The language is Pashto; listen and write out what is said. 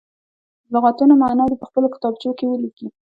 د لغتونو معنا دې په خپلو کتابچو کې ولیکي.